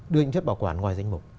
đưa những chất bảo quản ngoài danh mục